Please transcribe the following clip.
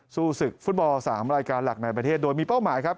สู้ศึกฟุตบอล๓รายการหลักในประเทศโดยมีเป้าหมายครับ